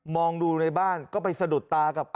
ดูในบ้านก็ไปสะดุดตากับ